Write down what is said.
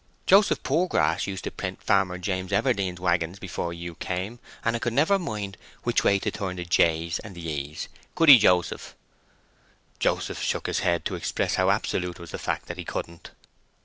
Joseph Poorgrass used to prent to Farmer James Everdene's waggons before you came, and 'a could never mind which way to turn the J's and E's—could ye, Joseph?" Joseph shook his head to express how absolute was the fact that he couldn't.